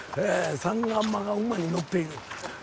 さんまが馬に乗っている。